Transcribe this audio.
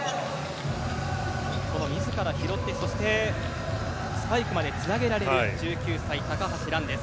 この自ら拾ってそしてスパイクまでつなげられる１９歳、高橋藍です。